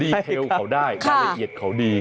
เทลเขาได้รายละเอียดเขาดี